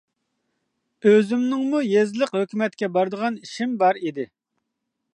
ئۆزۈمنىڭمۇ يېزىلىق ھۆكۈمەتكە بارىدىغان ئىشىم بار ئىدى.